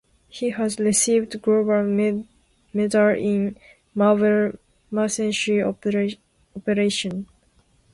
He has received gold medal in Marble machinery Operation.